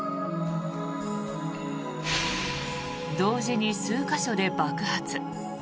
同時に数か所で爆発。